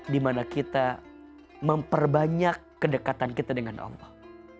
di mana kita memperbanyak kedekatan kita dengan allah